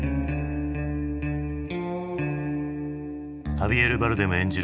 ハビエル・バルデム演じる